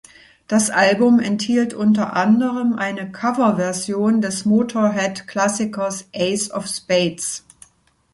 Das Album enthielt unter anderem eine Coverversion des Motörhead-Klassikers "Ace Of Spades".